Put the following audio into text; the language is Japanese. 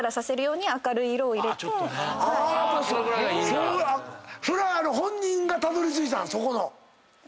それは本人がたどりついたん⁉そこの。